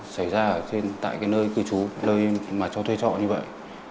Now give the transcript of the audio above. xảy ra ở tại cái nơi cư trú nơi mà cho thuê trọ như vậy